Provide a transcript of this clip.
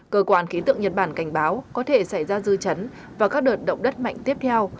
cơ quan khí tượng nhật bản cảnh báo có thể xảy ra dư chấn và các đợt động đất mạnh tiếp theo